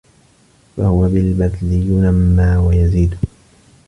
فَهُوَ بِالْبَذْلِ يُنَمَّى وَيَزِيدُ